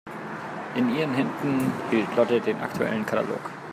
In ihren Händen hielt Lotte den aktuellen Katalog.